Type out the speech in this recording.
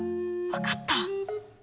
分かった？